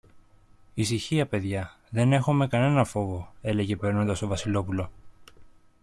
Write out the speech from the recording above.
Ησυχία, παιδιά, δεν έχομε κανένα φόβο, έλεγε περνώντας το Βασιλόπουλο.